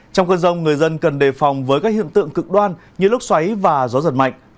trong cơn rông người dân cần đề phòng với các hiện tượng cực đoan như lúc xoáy và gió giật mạnh